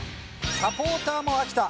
サポーターも秋田。